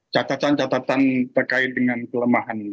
catatan catatan terkait dengan kelemahan ini